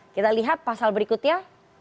kita lihat pasal berikutnya